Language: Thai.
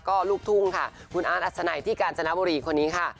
ก็ลูกทุ่งค่ะคุณอาร์ตอัศนัยที่กาญจนบุรีคนนี้ค่ะ